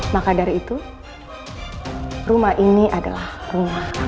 maka dari itu rumah ini adalah rumah